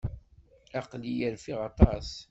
Aql-iyi rfiɣ aṭas.